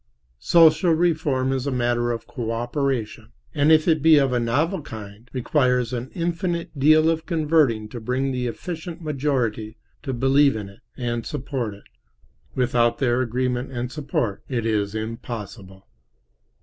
Social reform is a matter of cooperation, and if it be of a novel kind, requires an infinite deal of converting to bring the efficient majority to believe in it and support it. Without their agreement and support it is impossible.